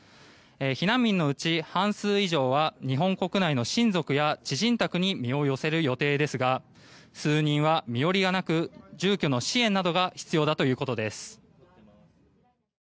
避難民のうち半数以上は日本国内の親族や知人宅に身を寄せる予定ですが数人は身寄りがなく住居の支援などが必要だということです。